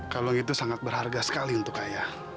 kalau itu sangat berharga sekali untuk ayah